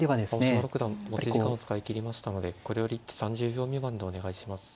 青嶋六段持ち時間を使い切りましたのでこれより一手３０秒未満でお願いします。